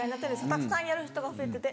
たくさんやる人が増えてて。